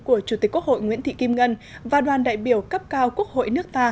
của chủ tịch quốc hội nguyễn thị kim ngân và đoàn đại biểu cấp cao quốc hội nước ta